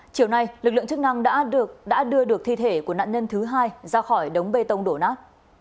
chiều nay lực lượng chức năng đã đưa được thi thể của nạn nhân thứ hai ra khỏi đống bê tông đổ nát